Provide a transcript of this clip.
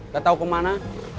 gak tau kemana